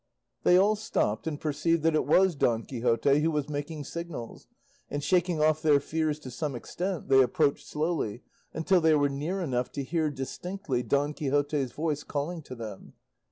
They all stopped, and perceived that it was Don Quixote who was making signals, and shaking off their fears to some extent, they approached slowly until they were near enough to hear distinctly Don Quixote's voice calling to them.